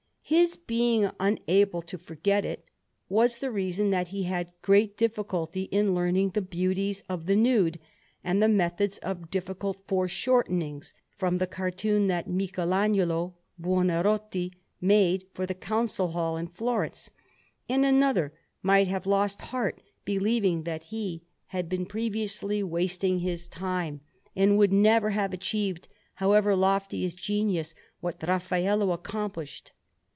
His being unable to forget it was the reason that he had great difficulty in learning the beauties of the nude and the methods of difficult foreshortenings from the cartoon that Michelagnolo Buonarroti made for the Council Hall in Florence; and another might have lost heart, believing that he had been previously wasting his time, and would never have achieved, however lofty his genius, what Raffaello accomplished.